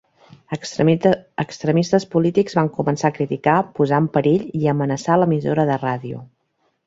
Extremistes polítics van començar a criticar, posar en perill i amenaçar l'emissora de ràdio.